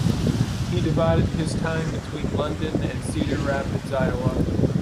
He divided his time between London and Cedar Rapids, Iowa.